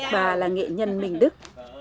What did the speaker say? bà là nghệ nhân minh đức